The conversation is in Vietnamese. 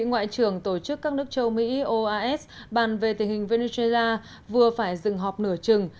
ngoại trưởng tổ chức các nước châu mỹ oas bàn về tình hình venezuela vừa phải dừng họp nửa chừng